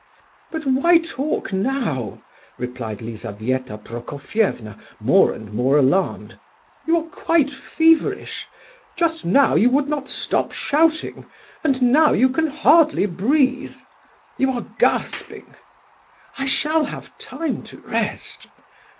"But why talk now?" replied Lizabetha Prokofievna, more and more alarmed; "You are quite feverish. Just now you would not stop shouting, and now you can hardly breathe. You are gasping." "I shall have time to rest.